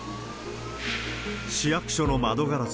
市役所の窓ガラス